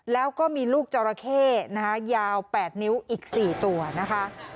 แล้วก็มีลูกจราเข้นะคะยาว๘นิ้วอีก๔ตัวนะคะ